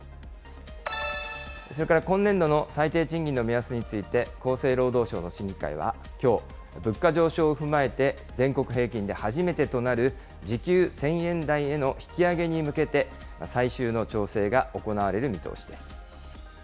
それから今年度の最低賃金の目安について、厚生労働省の審議会は、きょう、物価上昇を踏まえて全国平均で初めてとなる時給１０００円台への引き上げに向けて、最終の調整が行われる見通しです。